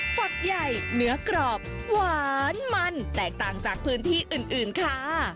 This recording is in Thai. ฝักใหญ่เนื้อกรอบหวานมันแตกต่างจากพื้นที่อื่นค่ะ